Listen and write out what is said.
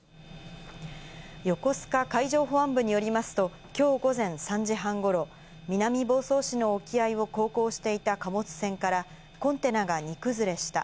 横須賀海上保安部によりますと、きょう午前３時半ごろ、南房総市の沖合を航行してしていた貨物船から、コンテナが荷崩れした。